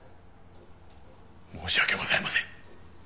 申し訳ございません。